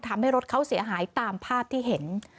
ทำให้รถเขาเสียหายตามภาพที่เห็น